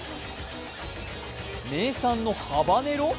名産のハバネロ？